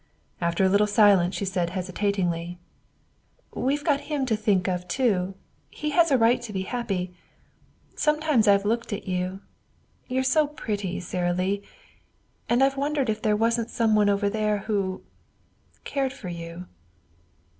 After a little silence she said hesitatingly: "We've got him to think of too. He has a right to be happy. Sometimes I've looked at you you're so pretty, Sara Lee and I've wondered if there wasn't some one over there who cared for you."